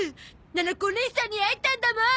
ななこおねいさんに会えたんだもん。